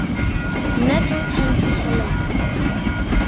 Nat returned to Helen.